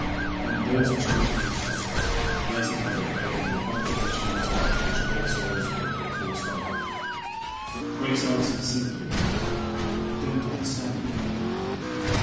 In those extraordinary terms Mercy Merrick opened the confidential interview which Grace Roseberry had forced on her. Grace answered, simply, "I don't understand you."